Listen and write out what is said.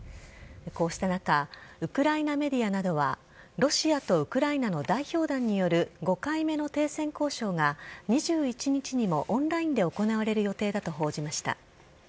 こうした中、ウクライナメディアなどは、ロシアとウクライナの代表団による、５回目の停戦交渉が、２１日にもオンラインで行われる予定だと報じました。